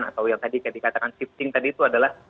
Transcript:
atau yang tadi dikatakan shifting tadi itu adalah